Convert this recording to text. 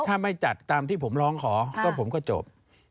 ถ้าไม่จัดตามที่ผมร้องขอก็ผมก็จบ